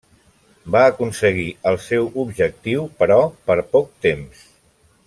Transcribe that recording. Va aconseguir el seu objectiu però per poc temps.